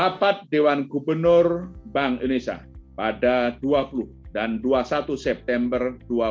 rapat dewan gubernur bank indonesia pada dua puluh dan dua puluh satu september dua ribu dua puluh